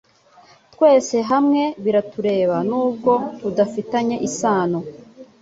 Twese hamwe biratureba nubwo tudafitanye isano